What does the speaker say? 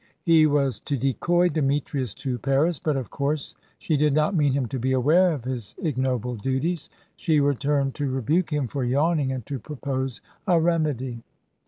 He was to decoy Demetrius to Paris, but of course, she did not mean him to be aware of his ignoble duties. She returned to rebuke him for yawning and to propose a remedy.